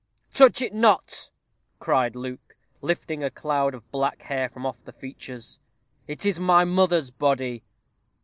"Touch it not," cried Luke, lifting a cloud of black hair from off the features; "it is my mother's body."